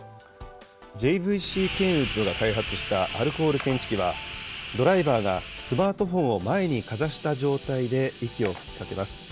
ＪＶＣケンウッドが開発したアルコール検知器は、ドライバーがスマートフォンを前にかざした状態で息を吹きかけます。